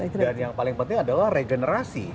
dan yang paling penting adalah regenerasi